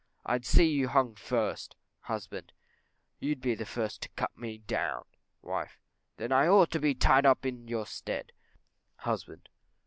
_ I'd see you hung first. Husband. You'd be the first to cut me down. Wife. Then I ought to be tied up in your stead. _Husband.